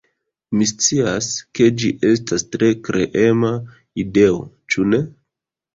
Mi scias, ke ĝi estas tre kreema ideo, ĉu ne?